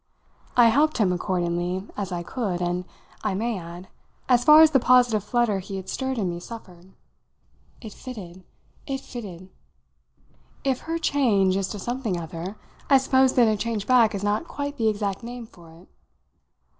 I helped him accordingly as I could and, I may add, as far as the positive flutter he had stirred in me suffered. It fitted it fitted! "If her change is to something other, I suppose then a change back is not quite the exact name for it."